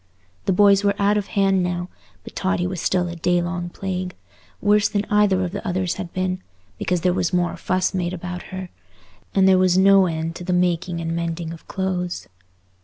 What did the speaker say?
The boys were out of hand now, but Totty was still a day long plague, worse than either of the others had been, because there was more fuss made about her. And there was no end to the making and mending of clothes.